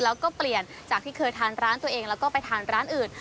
แล้วก็เปลี่ยนจากที่เคยทานร้านตัวเองแล้วก็ไปทานร้านอื่น